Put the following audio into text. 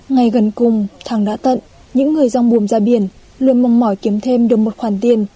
ngay gần cùng thằng đã tận những người dòng bùm ra biển luôn mong mỏi kiếm thêm được một khoản tiền